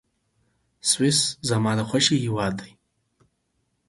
سویس زما د خوښي هېواد دی.